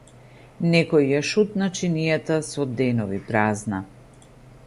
Некој ја шутна чинијата со денови празна.